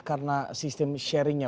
karena sistem sharingnya